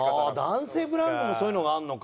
男性ブランコもそういうのがあるのか。